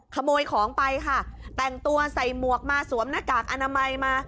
ขโมยของไปค่ะแต่งตัวใส่หมวกมาสวมหน้ากากอนามัยมา